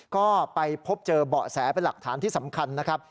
ก็ไปพบเจอเบาะแสเป็นหลักฐานที่สำคัญนะครับ